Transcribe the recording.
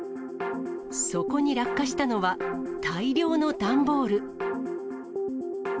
そこに落下したのは、大量の段ボール。